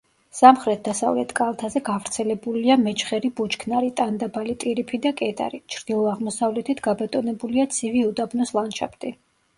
სამხრეთ-დასავლეთ კალთაზე გავრცელებულია მეჩხერი ბუჩქნარი, ტანდაბალი ტირიფი და კედარი; ჩრდილო-აღმოსავლეთით გაბატონებულია ცივი უდაბნოს ლანდშაფტი.